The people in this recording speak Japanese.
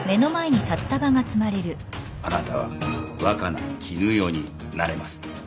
あなたは若菜絹代になれます。